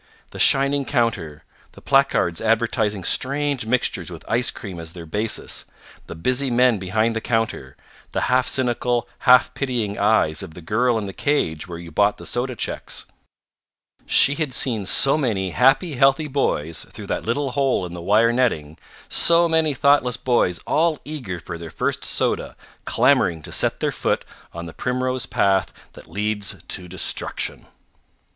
The shining counter, the placards advertising strange mixtures with ice cream as their basis, the busy men behind the counter, the half cynical, half pitying eyes of the girl in the cage where you bought the soda checks. She had seen so many happy, healthy boys through that little hole in the wire netting, so many thoughtless boys all eager for their first soda, clamoring to set their foot on the primrose path that leads to destruction.